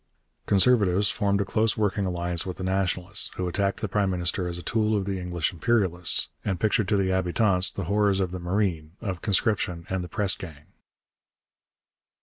Conservatives formed a close working alliance with the Nationalists, who attacked the prime minister as a tool of the English imperialists, and pictured to the habitants the horrors of the marine, of conscription and the press gang.